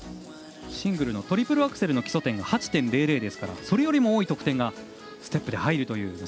シングルのトリプルアクセルの基礎点が８．００ですからそれよりも多い得点がステップで入るという。